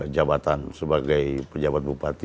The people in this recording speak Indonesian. jabatan sebagai pejabat bupati